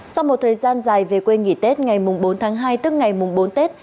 sau một thời gian dài về quê nghỉ tết ngày bốn tháng hai tức ngày bốn tết